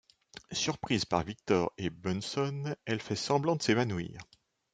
Surprise par Victor et Bunson, elle fait semblant de s'évanouir.